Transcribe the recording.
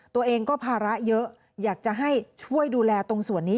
ตัวเองก็ภาระเยอะอยากจะให้ช่วยดูแลตรงส่วนนี้